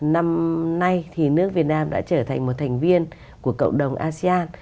năm nay thì nước việt nam đã trở thành một thành viên của cộng đồng asean